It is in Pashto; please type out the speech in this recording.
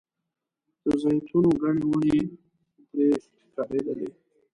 د زیتونو ګڼې ونې پرې ښکارېدلې.